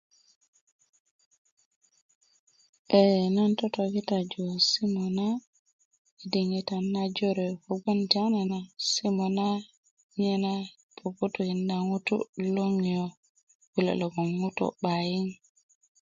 ee nan totokitaju simu na i diŋitan na jore kogbon tiyanana simu na nye na puputukinda ŋutu' loŋi kulo